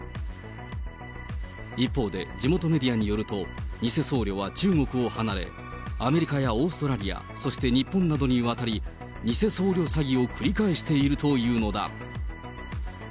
一方で、地元メディアによると、偽僧侶は中国を離れ、アメリカやオーストラリア、そして日本などに渡り、偽僧侶詐欺を繰り返しているというのだ。